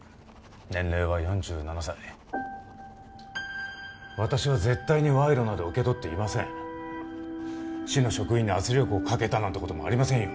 年齢は４７歳私は絶対に賄賂など受け取っていません市の職員に圧力をかけたなんてこともありませんよ